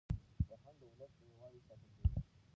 فرهنګ د ولس د یووالي ساتندوی دی.